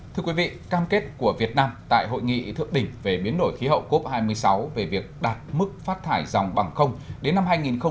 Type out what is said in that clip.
thưa quý vị cam kết của việt nam tại hội nghị thượng đỉnh về biến đổi khí hậu cop hai mươi sáu về việc đạt mức phát thải dòng bằng không đến năm hai nghìn ba mươi